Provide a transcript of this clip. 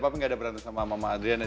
papi gak ada berantem sama mama adriana